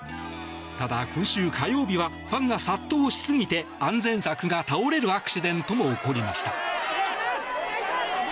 ただ、今週火曜日はファンが殺到しすぎて安全柵が倒れるアクシデントも起こりました。